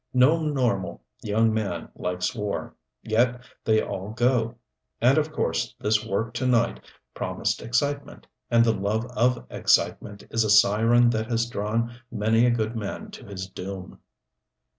No normal young man likes war. Yet they all go. And of course this work to night promised excitement and the love of excitement is a siren that has drawn many a good man to his doom.